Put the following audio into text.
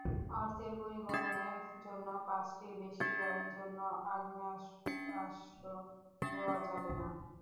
অর্থের পরিবহনের জন্য পাঁচটির বেশি গাড়ির জন্য আগ্নেয়াস্ত্র দেওয়া যাবে না।